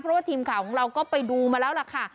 เพราะว่าทีมข่าวของเราก็ไปดูมาแล้วล่ะค่ะ